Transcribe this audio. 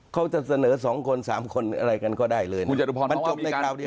เขาจะเสนอ๒คน๓คนอะไรกันก็ได้เลยมันจบในคราวเดียว